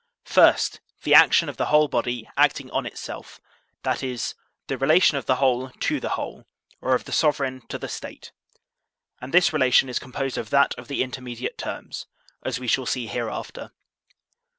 First, the action of the whole body acting on itself, that is, the relation of the whole to the whole, or of the sovereign to the State; and this relation is composed of that of the inter mediate terms, as we shall see hereafter.